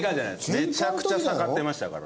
めちゃくちゃさかってましたから。